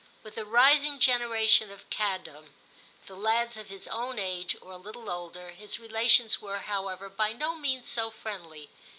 With the rising generation of cad dom, the lads of his own age or a little older, his relations were, however, by no means so friendly.